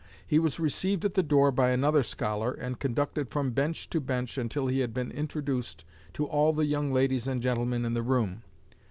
He was received at the door by another scholar and conducted from bench to bench until he had been introduced to all the young ladies and gentlemen in the room.